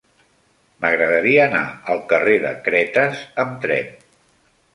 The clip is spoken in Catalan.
M'agradaria anar al carrer de Cretes amb tren.